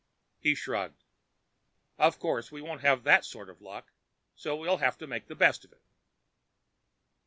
He shrugged. "Of course, we won't have that sort of luck, so we'll have to make the best of it."